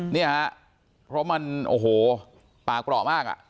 เนี่ยฮะเพราะมันโอ้โหปากเปราะมากอ่ะ